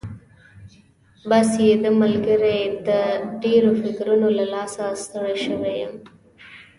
بس یې ده ملګري، د ډېرو فکرونو له لاسه ستړی شوی یم.